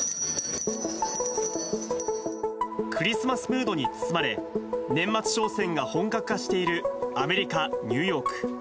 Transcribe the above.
クリスマスムードに包まれ、年末商戦が本格化しているアメリカ・ニューヨーク。